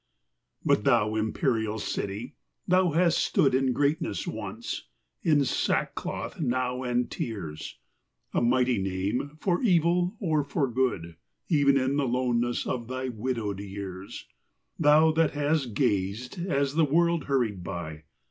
IV. But thou, imperial City ! that hast stood In greatness once, in sackcloth now and tears, A mighty name, for evil or for good. Even in the loneness of thy widowed years : Thou that hast gazed, as the world hurried by.